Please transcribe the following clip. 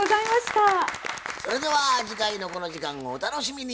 それでは次回のこの時間をお楽しみに。